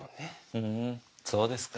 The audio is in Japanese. ふんそうですか。